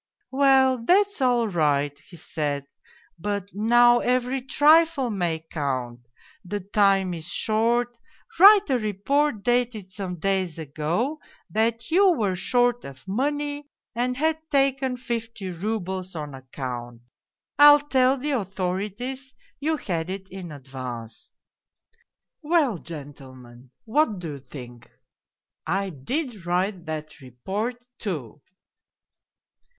"' Well, that's all right,' he said. ' But now every trifle may count ; the time is short, write a report dated some days ago that you were short of money and had taken fifty roubles on account. I'll tell the authorities you had it in advance.' " Well, gentlemen, what do you think ? I did write that report, too